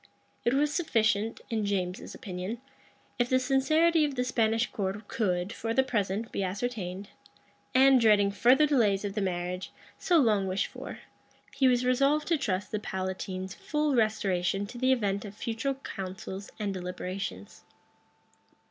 It was sufficient, in James's opinion, if the sincerity of the Spanish court could, for the present, be ascertained; and, dreading further delays of the marriage, so long wished for, he was resolved to trust the palatine's full restoration to the event of future counsels and deliberations.